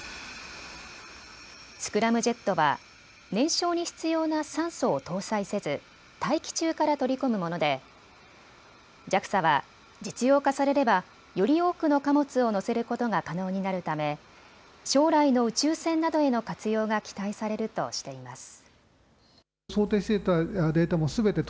スクラムジェットは燃焼に必要な酸素を搭載せず大気中から取り込むものでＪＡＸＡは実用化されればより多くの貨物を載せることが可能になるため将来の宇宙船などへの活用が期待されるとしています。